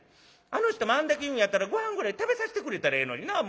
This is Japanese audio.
あの人もあんだけ言うんやったらごはんぐらい食べさしてくれたらええのになあ